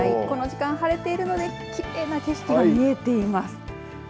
この時間、晴れているのできれいな景色が見えています。